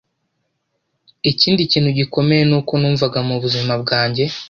Ikindi kintu gikomeye nuko numvaga mu buzima bwanjye